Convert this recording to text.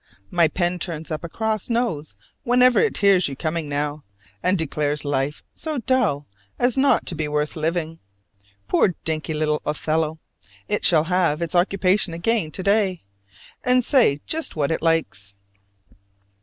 My pen turns up a cross nose whenever it hears you coming now, and declares life so dull as not to be worth living. Poor dinky little Othello! it shall have its occupation again to day, and say just what it likes.